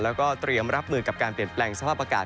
แล้วก็เตรียมรับมือกับการเปลี่ยนแปลงสภาพอากาศ